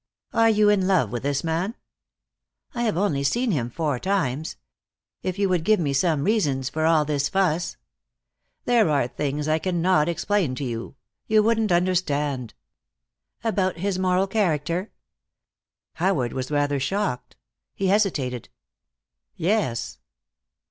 "Are you in love with this man?" "I have only seen him four times. If you would give me some reasons for all this fuss " "There are things I cannot explain to you. You wouldn't understand." "About his moral character?" Howard was rather shocked. He hesitated: "Yes."